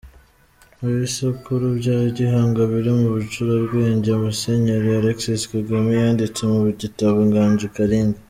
Ibisekuru bya Gihanga biri mu bucurabwenge Musenyeri Alexis Kagame yanditse mu gitabo ‘ Inganji Kalinga’.